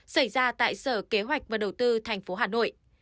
xảy ra tại sở kế hoạch và đầu tư tp hà nội